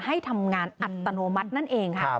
ให้ทำงานอัตโนมัตินั่นเองค่ะ